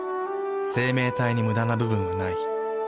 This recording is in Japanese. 生命体にムダな部分はない。